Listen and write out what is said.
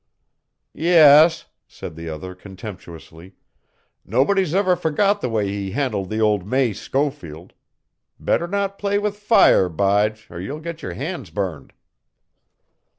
"Yas," said the other contemptuously; "nobody's ever forgot the way he handled the old May Schofield. Better not play with fire, Bige, or you'll get your hands burned."